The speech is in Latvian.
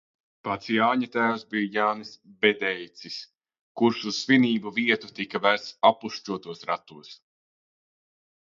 Pats Jāņa tēvs bija Jānis Bedeicis, kurš uz svinību vietu tika vests appušķotos ratos.